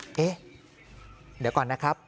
เดี๋ยวก่อนนะครับ